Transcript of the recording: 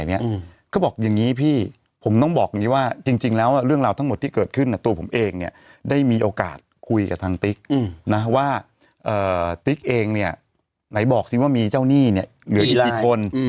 ไหนบอกสิว่ามีเจ้าหนี้เนี่ยเหนื่อยอีกอีกคน